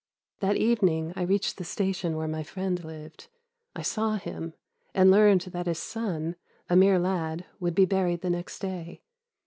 That evening I reached the station where my friend lived. I saw him, and learned that his son, a mere lad, would be buried the next day.